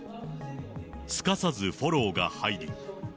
すかさずフォローが入り。